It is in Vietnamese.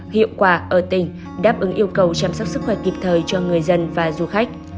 hiệu quả ở tỉnh đáp ứng yêu cầu chăm sóc sức khỏe kịp thời cho người dân và du khách